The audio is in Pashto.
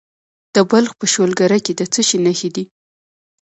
د بلخ په شولګره کې د څه شي نښې دي؟